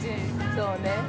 ◆そうね。